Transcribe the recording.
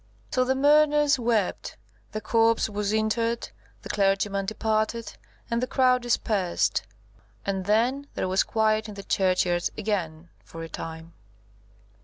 So the mourners wept; the corpse was interred; the clergyman departed, and the crowd dispersed; and then there was quiet in the churchyard again for a time.